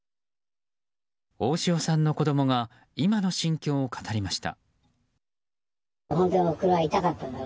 大塩さんの子供が今の心境を語りました。